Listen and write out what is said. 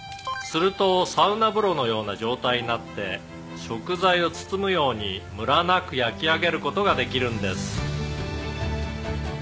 「するとサウナ風呂のような状態になって食材を包むようにムラなく焼き上げる事ができるんです」